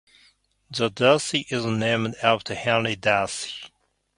The darcy is named after Henry Darcy.